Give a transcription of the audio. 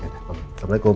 ya udah assalamualaikum